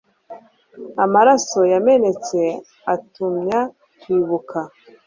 amaraso yamenetse agumya kwibuka